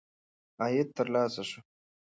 عاید ترلاسه شو.